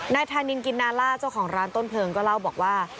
นายธานินกินนาล่าเจ้าของร้านต้นเพลิงก็เล่าบอกว่า